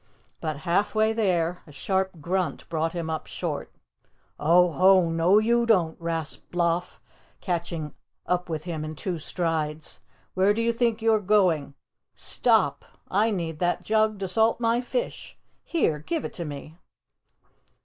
But half way there a sharp grunt brought him up short. "Aho, no you don't," rasped Bloff, catching up with him in two strides. "Where do you think you're going? STOP! I need that jug to salt my fish. Here, give it to me."